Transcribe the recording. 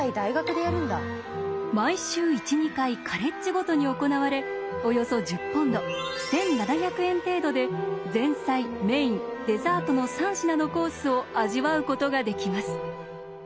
毎週１２回カレッジごとに行われおよそ１０ポンド１，７００円程度で前菜メインデザートの３品のコースを味わうことができます。